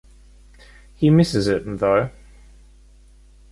He misses it, though.